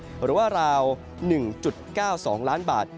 หรือว่าราว๑๙๒ล้านบาท